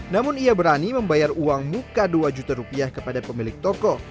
namun ia berani membayar uang muka dua juta rupiah kepada pemilik toko